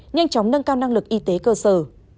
nhanh chóng nâng cao năng lực y tế cơ sở